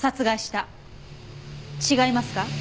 違いますか？